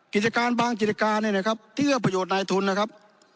กิจการบางกิจการเตือนลวดประโยชน์ในการทุน